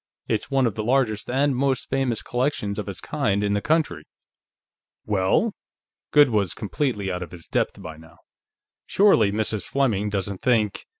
It's one of the largest and most famous collections of its kind in the country." "Well?" Goode was completely out of his depth by now. "Surely Mrs. Fleming doesn't think...?"